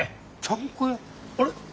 あれ？